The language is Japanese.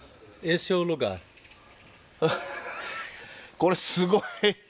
これすごい。